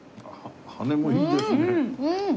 羽もいいですね。